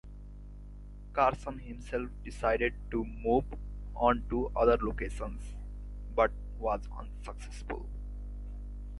Carson himself decided to move on to other locations, but was unsuccessful.